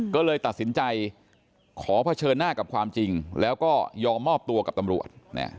ก็เลยตัดสินใจขอเผชิญหน้ากับความจริงแล้วก็ยอมมอบตัวกับตำรวจ